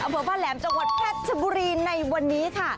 อเผอพระแหลมจังหวัดแพทย์ชบุรีในวันนี้ค่ะ